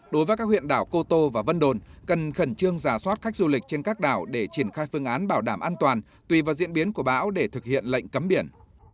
đối với các huyện đảo cô tô và vân đồn cần khẩn trương giả soát khách du lịch trên các đảo để triển khai phương án bảo đảm an toàn tùy vào diễn biến của bão để thực hiện lệnh cấm biển